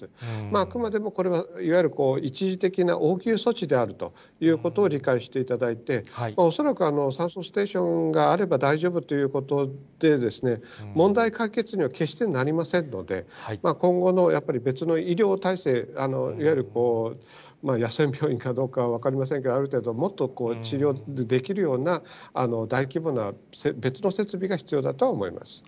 あくまでもこれは、いわゆる一時的な応急処置であるということを理解していただいて、恐らく酸素ステーションがあれば大丈夫ということで、問題解決には決してなりませんので、今後のやっぱり、別の医療体制、いわゆる野戦病院かどうかは分かりませんが、ある程度、もっと治療できるような、大規模な別の設備が必要だとは思います。